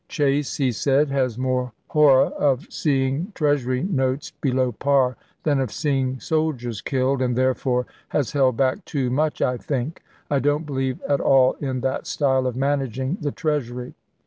" Chase," he said, " has more horror of seeing treasury notes be low par than of seeing soldiers killed, and therefore has held back too much, I think. I don't believe at all in that style of managing the Treasury."